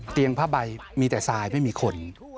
ผ้าใบมีแต่ทรายไม่มีคน